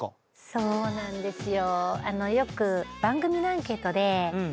そうなんですよ。